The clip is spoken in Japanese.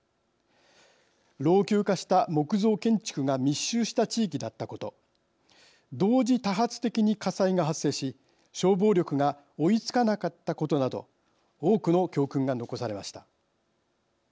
老朽化した木造建築が密集した地域だったこと同時多発的に火災が発生し消防力が追いつかなかったことなど多くの教訓が残されました。